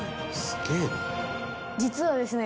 実はですね